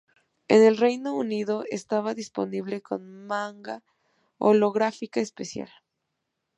En el Reino Unido estaba disponible con manga holográfica especial.